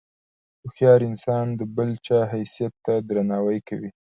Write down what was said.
هوښیار انسان د بل چا حیثیت ته درناوی کوي.